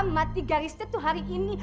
mati garisnya tuh hari ini